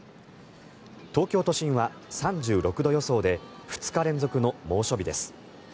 東京都心は３６度予想で２日連続の猛暑日です。